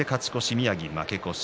宮城、負け越し。